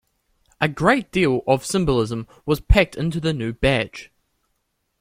A great deal of symbolism was packed into the new badge.